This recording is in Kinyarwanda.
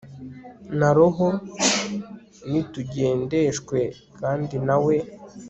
na roho, nitugendeshwe kandi na we